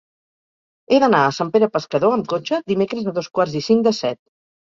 He d'anar a Sant Pere Pescador amb cotxe dimecres a dos quarts i cinc de set.